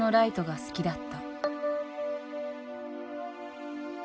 好きだった。